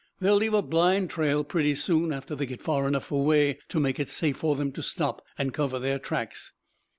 They'll leave a blind trail pretty soon after they get far enough away to make it safe for them to stop and cover their tracks."